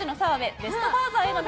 ベストファーザーへの道。